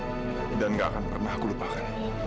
terbaik aku dan gak akan pernah aku lupakan